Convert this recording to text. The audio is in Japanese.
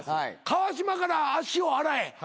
「川島から足を洗え！」